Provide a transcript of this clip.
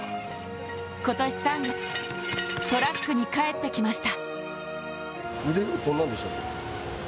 今年３月、トラックに帰ってきました。